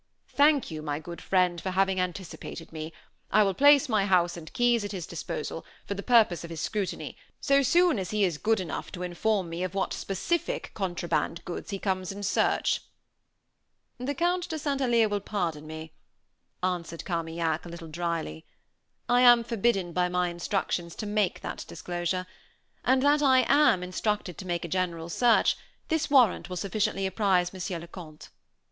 "Thank you, my good friend, for having anticipated me. I will place my house and keys at his disposal, for the purpose of his scrutiny, so soon as he is good enough to inform me of what specific contraband goods he comes in search." "The Count de St. Alyre will pardon me," answered Carmaignac, a little dryly. "I am forbidden by my instructions to make that disclosure; and that I am instructed to make a general search, this warrant will sufficiently apprise Monsieur le Comte."